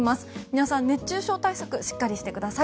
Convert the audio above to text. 皆さん、熱中症対策をしっかりしてください。